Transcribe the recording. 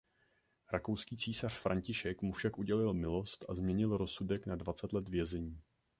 Rakouský císař František mu však udělil milost a změnil rozsudek na dvacet let vězení.